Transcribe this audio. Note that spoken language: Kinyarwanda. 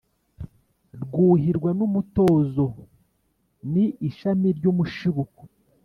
rwuhirwa n’umutozo. ni ishami ry’umushibuko